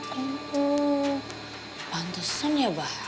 oh pantesan ya abah